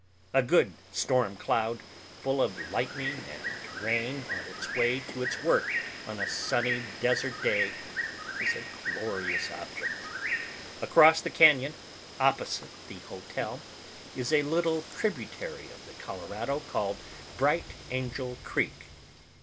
A good storm cloud full of lightning and rain on its way to its work on a sunny desert day is a glorious object. Across the cañon, opposite the hotel, is a little tributary of the Colorado called Bright Angel Creek.